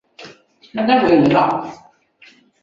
斯沃斯莫尔学院是一所私立的美国文理学院。